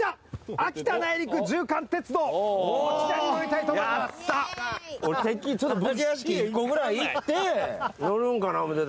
秋田内陸縦貫鉄道、こちらに乗りたいと思やった。